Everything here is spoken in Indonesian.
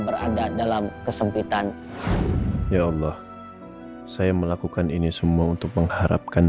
berada dalam kesempitan ya allah saya melakukan ini semua untuk mengharapkan